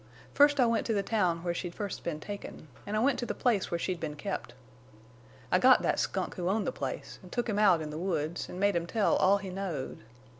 First I went to the town where she'd first been taken, an' I went to the place where she'd been kept. I got that skunk who owned the place, an' took him out in the woods, an' made him tell all he knowed.